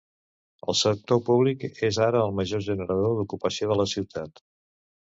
El sector públic és ara el major generador d'ocupació de la ciutat.